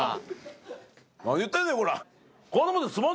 何言ってんねん！